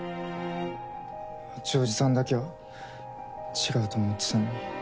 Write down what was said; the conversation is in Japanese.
八王子さんだけは違うと思ってたのに。